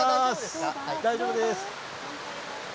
大丈夫です。